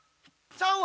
ちゃうわ！